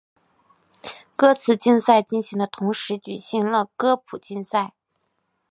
歌词竞赛进行的同时举行了歌谱竞赛。